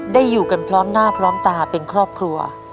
อยู่กันพร้อมหน้าพร้อมตาเป็นครอบครัว